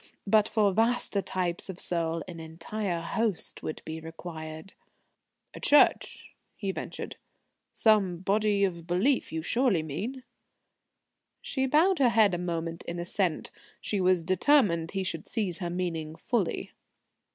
But for vaster types of soul an entire host would be required." "A church?" he ventured. "Some Body of belief, you surely mean?" She bowed her head a moment in assent. She was determined he should seize her meaning fully.